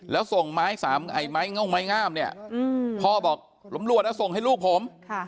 แล้วส่งไม้ง่ามเนี่ยพ่อบอกล้มรวดแล้วส่งให้ลูกผม